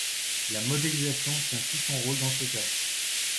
La modélisation tient tout son rôle dans ce cas.